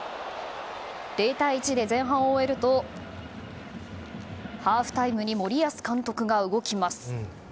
０対１で前半を終えるとハーフタイムに森保監督が動きます。